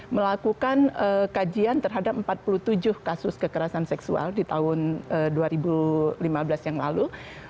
melakukan kajian terhadap empat puluh tujuh kasus kekerasan seksual di tahun dua ribu lima belas yang lalu